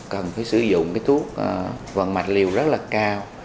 cần phải sử dụng cái thuốc vận mạch liều rất là cao